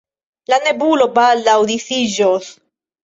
La nebulo baldaŭ disiĝos.